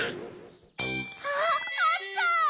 あっあった！